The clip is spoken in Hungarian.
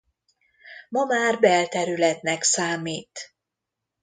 Ma már belterületnek számít.